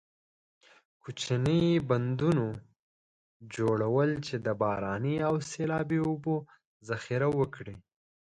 کوچنۍ بندونو جوړول چې د باراني او سیلابي اوبو ذخیره وکړي.